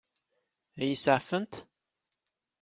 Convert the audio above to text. Ad iyi-iseɛfent?